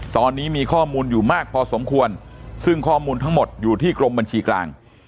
ตอนนี้มีข้อมูลอยู่มากพอสมควรซึ่งข้อมูลทั้งหมดอยู่ที่กรมบัญชีกลาง